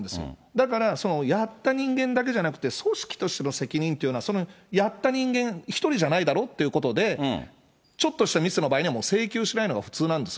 だからそのやった人間だけじゃなくて、組織としての責任っていうのは、そのやった人間１人じゃないだろうということで、ちょっとしたミスの場合には、もう請求しないのが普通なんです。